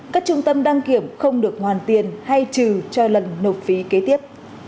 các trung tâm đăng kiểm không được hoàn tiền hay trừ cho lần nộp phí kế tiếp